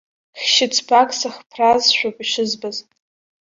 Хьшьыцбак сыхԥраазшәоуп ишызбаз.